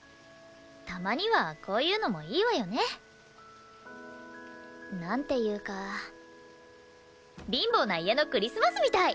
たまにはこういうのもいいわよね。なんていうか貧乏な家のクリスマスみたい！